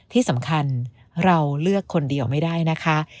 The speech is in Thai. ที่สำคัญเราเลือกคนเดียวไม่ได้นะคะ